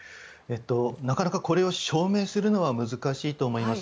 なかなか証明するのは難しいと思います。